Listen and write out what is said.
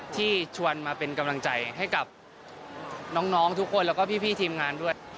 ที่ชวนมาเป็นกำลังใจให้กับน้องทุกคนแล้วก็พี่ทีมงานด้วย